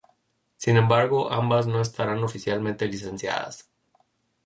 Sin embargo, ambas no estarán oficialmente licenciadas.